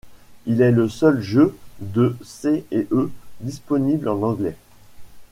Il est le seul jeu de C&E disponible en anglais.